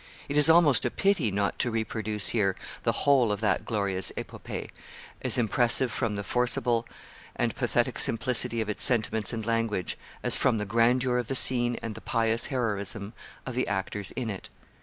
It is almost a pity not to reproduce here the whole of that glorious epopee, as impressive from the forcible and pathetic simplicity of its sentiments and language as from the grandeur of the scene and the pious heroism of the actors in it.